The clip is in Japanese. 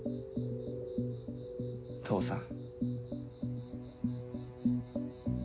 父さん。